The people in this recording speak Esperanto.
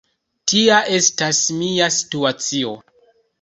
Tia estas mia situacio.